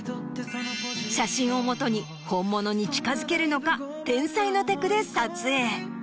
写真をもとに本物に近づけるのか天才のテクで撮影。